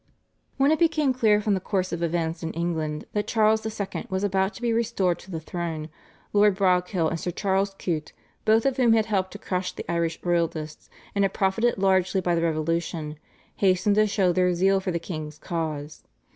When it became clear from the course of events in England that Charles II. was about to be restored to the throne Lord Broghill and Sir Charles Coote, both of whom had helped to crush the Irish Royalists and had profited largely by the Revolution, hastened to show their zeal for the king's cause.